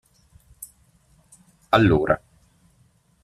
Allora.